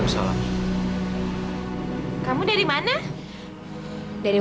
ternyata aku masih lebih beruntung ya wih